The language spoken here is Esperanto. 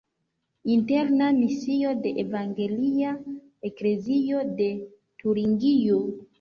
Interna misio de Evangelia eklezio de Turingio.